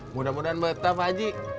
mudah mudahan betah pak haji